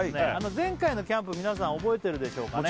前回のキャンプ皆さん覚えてるでしょうかね